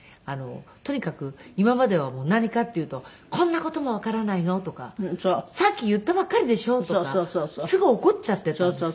とにかく今までは何かっていうと「こんな事もわからないの？」とか「さっき言ったばっかりでしょ」とかすぐ怒っちゃっていたんですね。